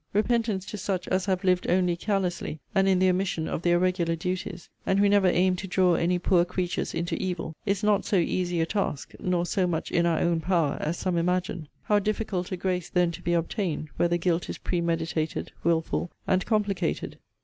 Repentance to such as have lived only carelessly, and in the omission of their regular duties, and who never aimed to draw any poor creatures into evil, is not so easy a task, nor so much in our own power, as some imagine. How difficult a grace then to be obtained, where the guilt is premeditated, wilful, and complicated!